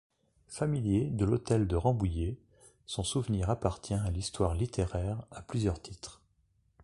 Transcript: Familier de l’hôtel de Rambouillet, son souvenir appartient à l’histoire littéraire à plusieurs titres.